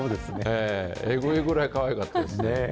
ーえぐいぐらいかわいかったですね。